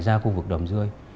ra khu vực đầm dươi